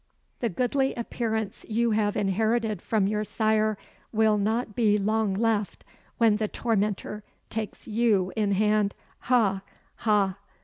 The goodly appearance you have inherited from your sire will not be long left when the tormentor takes you in hand. Ha! ha!"